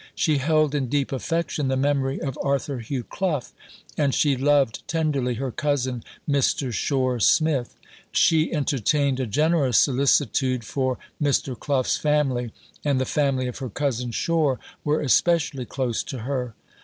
She held in deep affection the memory of Arthur Hugh Clough, and she loved tenderly her cousin, Mr. Shore Smith. She entertained a generous solicitude for Mr. Clough's family; and the family of her cousin, Shore, were especially close to her.